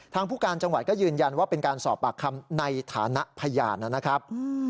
ผู้การจังหวัดก็ยืนยันว่าเป็นการสอบปากคำในฐานะพยานนะครับ